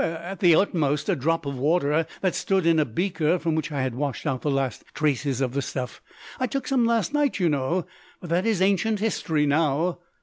"At the utmost a drop of water that stood in a beaker from which I had washed out the last traces of the stuff. I took some last night, you know. But that is ancient history, now."